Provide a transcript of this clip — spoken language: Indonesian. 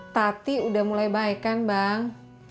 tati udah mulai baik kan bang